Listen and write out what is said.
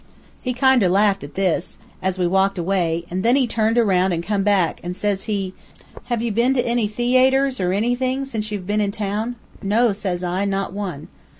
"He kinder laughed at this, as we walked away, an' then he turned around an' come back, and says he, 'Have you been to any the ay ters, or anything, since you've been in town?' 'No,' says I, 'not one.'